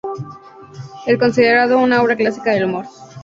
Es considerado una obra clásica del humor.